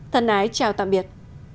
thân ái chào tạm biệt